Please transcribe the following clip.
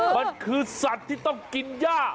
มันคือสัตว์ที่ต้องกินย่า